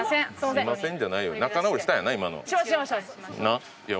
すみません。